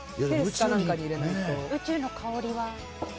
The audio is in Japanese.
宇宙の香りは？